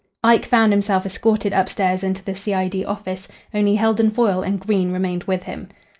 Ike found himself escorted upstairs into the C.I.D. office. Only Heldon Foyle and Green remained with him.